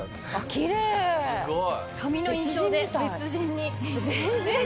きれい！髪の印象で別人に。